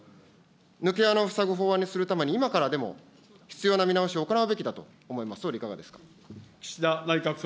抜け穴を塞ぐ法案にするために、今からでも必要な見直しを行うべきだと思います、総理いかがですか。